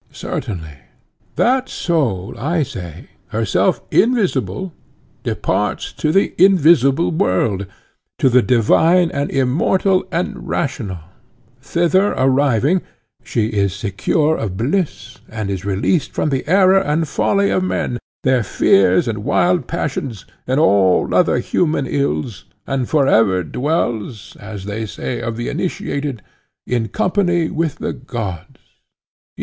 — Certainly— That soul, I say, herself invisible, departs to the invisible world—to the divine and immortal and rational: thither arriving, she is secure of bliss and is released from the error and folly of men, their fears and wild passions and all other human ills, and for ever dwells, as they say of the initiated, in company with the gods (compare Apol.).